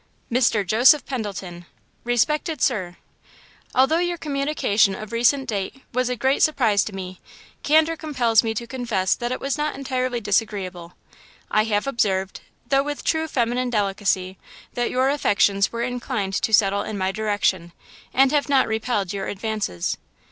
"MR. JOSEPH PENDLETON "Respected Sir: Although your communication of recent date was a great surprise to me, candour compels me to confess that it was not entirely disagreeable. I have observed, though with true feminine delicacy, that your affections were inclined to settle in my direction, and have not repelled your advances.